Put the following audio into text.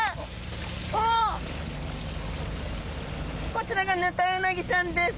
こちらがヌタウナギちゃんです。